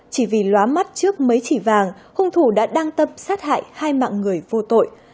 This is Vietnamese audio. chỉ vì loá mắt trước mấy chỉ vàng hung thủ đã đăng tâm sát hại hai mạng người vô tội